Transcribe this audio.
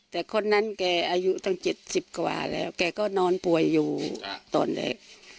แต่คนนั้นแกอายุตั้ง๗๐กว่าแล้วแกก็นอนป่วยอยู่ตอนแรก